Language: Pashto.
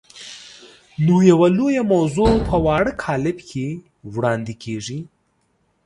نو یوه لویه موضوع په واړه کالب کې وړاندې کېږي.